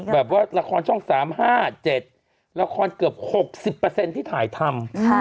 แบบว่าละครช่อง๓๕๗ละครเกือบ๖๐ที่ถ่ายทำ